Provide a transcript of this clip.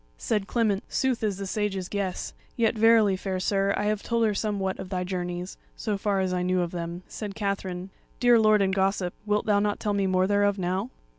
Said Clement: "Sooth is the Sage's guess; yet verily, fair sir, I have told her somewhat of thy journeys, so far as I knew of them." Said Katherine: "Dear lord and gossip, wilt thou not tell me more thereof now?"